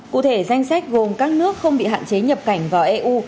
cụ thể danh sách gồm các nước không bị hạn chế nhập cảnh vào eu